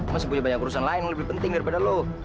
masih banyak perusahaan lain lebih penting daripada lu